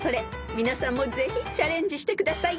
［皆さんもぜひチャレンジしてください］